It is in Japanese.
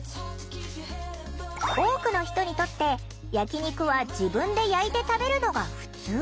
多くの人にとって焼き肉は自分で焼いて食べるのがふつう。